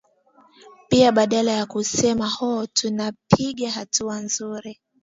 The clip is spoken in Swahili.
pia badala ya kusema oo tunapiga hatua nzuri